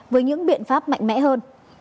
với những biện pháp mạnh mẽ hơn